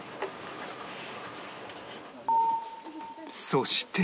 そして